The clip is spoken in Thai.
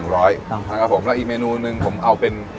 แล้วอีกเมนูหนึ่งผมเอาเป็น